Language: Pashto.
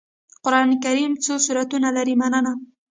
قرآن کريم څو سورتونه لري مننه